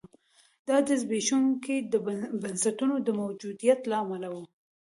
دا د زبېښونکو بنسټونو د موجودیت له امله و.